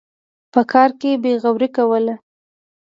په کار کې بېغوري کوله.